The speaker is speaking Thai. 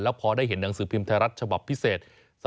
พอได้เห็นหนังสือพิมพ์ไทยรัฐฉบับพิเศษ